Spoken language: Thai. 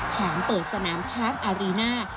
แผนเปิดสนามช้างอารีน่า